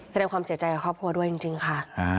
แสดงความเสียใจกับครอบครัวด้วยจริงค่ะ